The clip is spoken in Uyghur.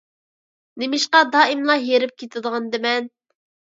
نېمىشقا دائىملا ھېرىپ كېتىدىغاندىمەن؟